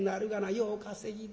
よう稼ぎで。